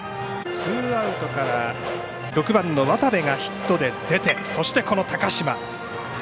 ツーアウトから６番の渡部がヒットで出てそしてこの高嶋。